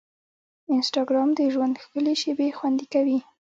انسټاګرام د ژوند ښکلي شېبې خوندي کوي.